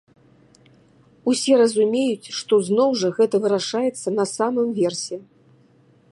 Усе разумеюць, што зноў жа гэта вырашаецца на самым версе.